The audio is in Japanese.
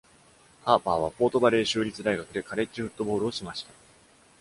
ハーパーはフォートバレー州立大学でカレッジフットボールをしました。